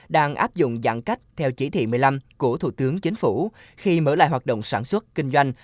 đang áp dụng giãn cách theo chỉ thị một mươi năm của thủ tướng chính phủ khi mở lại hoạt động sản xuất kinh doanh